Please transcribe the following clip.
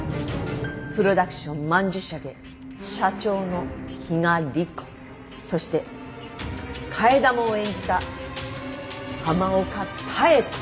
プロダクション曼珠沙華社長の比嘉莉湖そして替え玉を演じた浜岡妙子